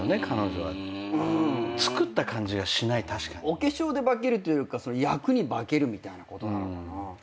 お化粧で化けるというよりか役に化けるみたいなことなのかな。